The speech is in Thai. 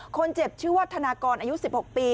คนเจ็บชื่อว่าธนากรอายุ๑๖ปี